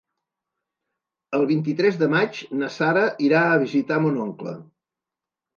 El vint-i-tres de maig na Sara irà a visitar mon oncle.